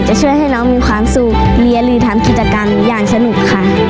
ช่วยให้น้องมีความสุขเรียนหรือทำกิจกรรมอย่างสนุกค่ะ